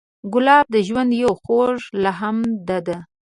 ګلاب د ژوند یو خوږ لمحه ده.